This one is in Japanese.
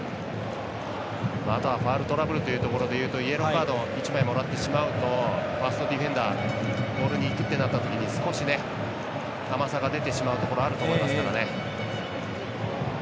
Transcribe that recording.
あとはファウルトラブルというところで言うとイエローカードを１枚もらってしまうとファーストディフェンダーボールにいくとなったとき甘さが出てしまうところあると思いますからね。